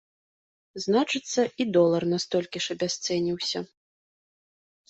Значыцца, і долар на столькі ж абясцэніўся.